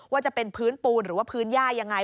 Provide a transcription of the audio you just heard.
ว่าจะเป็นพื้นปูนหรือว่าพื้นย่ายังไง